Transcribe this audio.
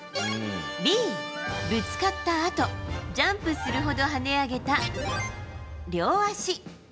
Ｂ、ぶつかったあと、ジャンプするほど跳ね上げた両足。